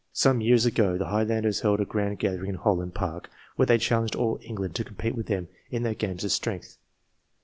Some years ago, the Highlanders held a grand gathering in Holland Park, where they challenged all England to compete with them in their games of strength.